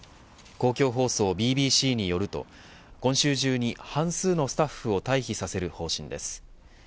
公共放送ＢＢＣによると今週中に半数のスタッフを退避させる方針です。